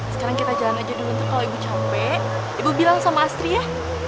sekarang kita jalan aja dulu tuh kalau ibu capek ibu bilang sama astri ya